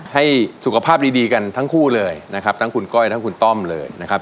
ให้สุขภาพดีกันทั้งคู่เลยนะครับทั้งคุณก้อยทั้งคุณต้อมเลยนะครับ